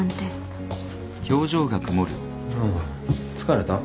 ああ疲れた？